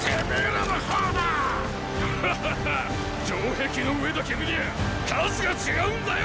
城壁の上だけ見りゃ数が違うんだよ！